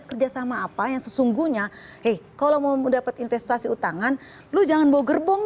kerjasama apa yang sesungguhnya eh kalau mau mendapat investasi utangan lu jangan bogerbong